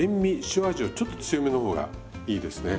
塩味をちょっと強めの方がいいですね。